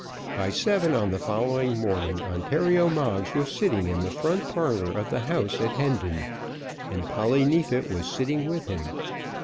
By seven on the following morning Ontario Moggs was sitting in the front parlour of the house at Hendon, and Polly Neefit was sitting with him.